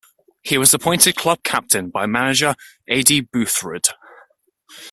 He was appointed club captain by manager Aidy Boothroyd.